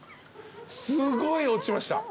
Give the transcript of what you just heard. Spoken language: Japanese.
すごい落ちました。